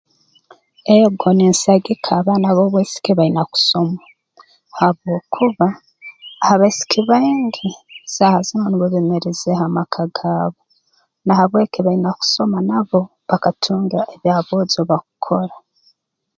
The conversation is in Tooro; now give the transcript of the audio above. Ego ninsagika abaana b'obwisiki baine kusoma habwokuba abaisiki baingi saaha zinu nubo beemeeriizeeho amaka gaabo na habweki baine kusoma nabo bakatunga ebi aboojo bakukora